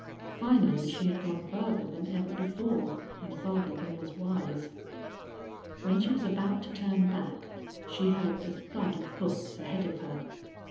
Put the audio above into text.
Finally she had gone farther than ever before and farther than was wise. When she was about to turn back she heard the thud of hoofs ahead of her.